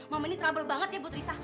mama ini trouble banget ya buat risa